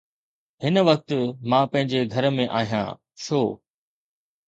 هن وقت، مان پنهنجي گهر ۾ آهيان، ڇو؟